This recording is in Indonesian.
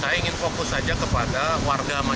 saya ingin fokus saja kepada warga yang terukur